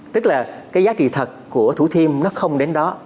tức là cái giá trị thật của thủ thiêm nó không đến đó